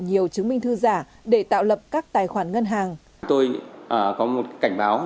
nhiều chứng minh trả hình